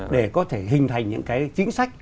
để có thể hình thành những cái chính sách